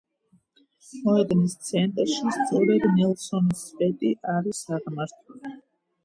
მოედნის ცენტრში სწორედ ნელსონის სვეტი არის აღმართული.